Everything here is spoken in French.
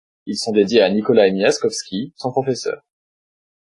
Ils sont dédiés à Nikolaï Miaskovski, son professeur.